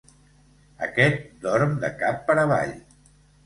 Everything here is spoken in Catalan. Aquest dorm de cap per avall.